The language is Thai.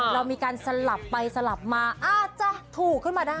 เรามีการสลับไปสลับมาอาจจะถูกขึ้นมาได้